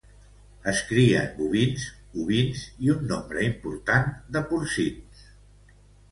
Es crien bovins, ovins i un nombre important de porcins.